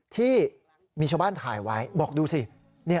ที่มีชาวบ้านถ่ายไว้บอกดูสิ